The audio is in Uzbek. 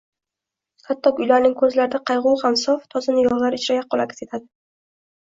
Hattoki ularning ko‘zlaridagi qayg‘u ham sof, toza nigohlar ichra yaqqol aks etadi.